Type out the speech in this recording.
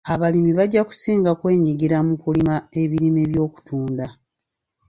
Abalimi bajja kusinga kwenyigira mu kulima ebirime eby'okutunda.